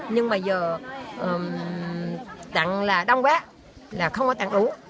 nhưng mà giờ tặng là đông bé là không có tặng đủ